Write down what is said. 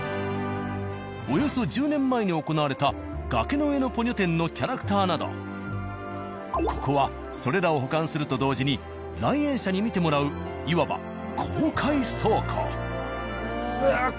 およそ１０年前に行われた「崖の上のポニョ展」のキャラクターなどここはそれらを保管すると同時に来園者に見てもらういわば公開倉庫。